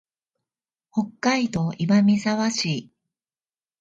北海道岩見沢市